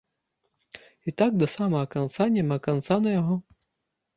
І так да самага канца няма канца на яго.